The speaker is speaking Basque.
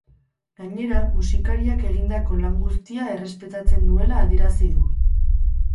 Gainera, musikariak egindako lan guztia errespetatzen duela adierazi du.